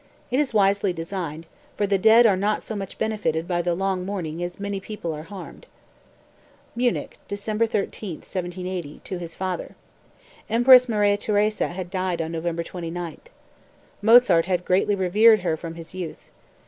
It is wisely designed; for the dead are not so much benefited by the long mourning as many people are harmed." (Munich, December 13, 1780, to his father. Empress Maria Theresa had died on November 29. Mozart had greatly revered her from his youth.